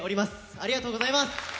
ありがとうございます！